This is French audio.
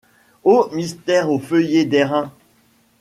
O mystère aux feuillets d'airain !